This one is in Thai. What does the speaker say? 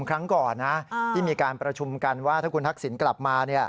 ครั้งก่อนนะที่มีการประชุมกันว่าถ้าคุณทักษิณกลับมา